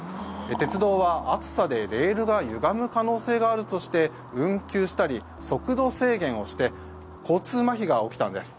鉄道は、暑さでレールがゆがむ可能性があるとして運休したり、速度制限をして交通まひが起きたんです。